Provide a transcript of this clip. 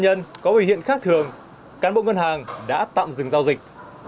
nhận thấy nạn nhân có vị hiện khác thường cán bộ ngân hàng đã tạm dừng giao dịch